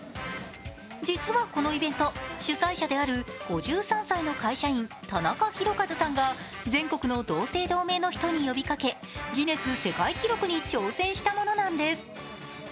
実はこのイベント、主宰者である５３歳の会社員・田中宏和さんが全国の同姓同名の人に呼びかけギネス世界記録に挑戦したものなんです。